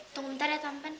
tunggu bentar ya tampan